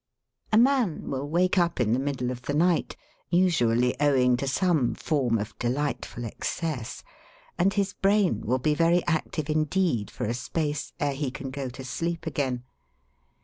A man will wake up in the middle of the night (usually owing to some form of delightful excess), and his brain will be very active indeed for a space ere he can go to sleep again.